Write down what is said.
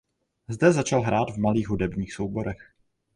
Zde začal hrát v malých hudebních souborech.